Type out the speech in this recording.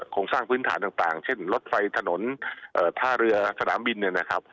โครงสร้างพื้นฐานต่างเช่นรถไฟถนนท่าเรือสนามบินเนี่ยนะครับ